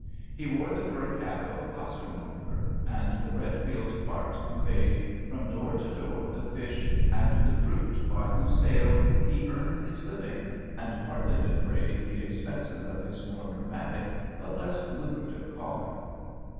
He wore the ftir cap of a costermonger, and the red wheeled cart conveyed from door to door the fish and the fruit by whose sale he earned his living, and partly defrayed the expenses of his more dramatic but less lucrative calling.